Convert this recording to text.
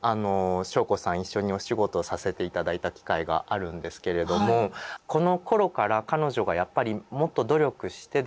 一緒にお仕事させて頂いた機会があるんですけれどもこのころから彼女がやっぱりもっと努力してですね